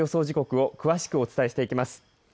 時刻を詳しくお伝えしていきます。